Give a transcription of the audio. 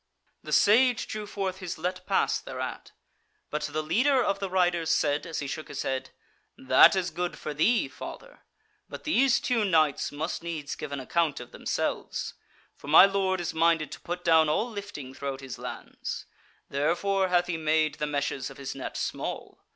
The Sage drew forth his let pass thereat; but the leader of the riders said, as he shook his head: "That is good for thee, father; but these two knights must needs give an account of themselves: for my lord is minded to put down all lifting throughout his lands; therefore hath he made the meshes of his net small.